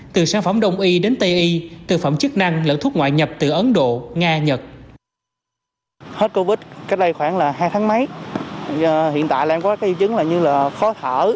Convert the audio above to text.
từ sản phẩm đông y đến tây y thực phẩm chức năng lẫn thuốc ngoại nhập từ ấn độ nga nhật